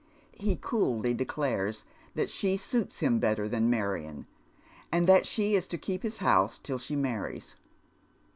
He coolly declares that she suits him better than Marion, and that she is to keep his house till she marries.